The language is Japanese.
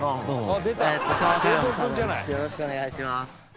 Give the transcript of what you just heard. よろしくお願いします。